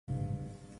No audio